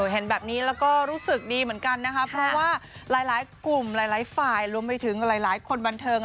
เห็นแบบนี้แล้วก็รู้สึกดีเหมือนกันนะคะเพราะว่าหลายกลุ่มหลายฝ่ายรวมไปถึงหลายคนบันเทิง